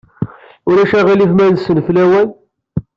Ulac aɣilif ma nessenfel awal?